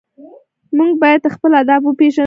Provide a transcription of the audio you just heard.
موږ باید خپل ادب وپېژنو.